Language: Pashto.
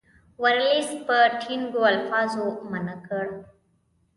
ورلسټ په ټینګو الفاظو منع کړ.